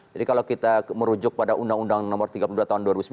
jadi kalau kita merujuk pada undang undang nomor tiga puluh dua tahun dua ribu sembilan